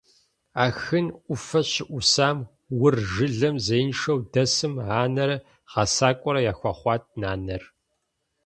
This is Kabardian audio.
Ахын Ӏуфэ щыӀусам Ур жылэм зеиншэу дэсым анэрэ гъэсакӀуэрэ яхуэхъуат нанэр.